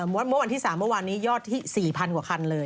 เมื่อวันที่๓เมื่อวานนี้ยอดที่๔๐๐กว่าคันเลย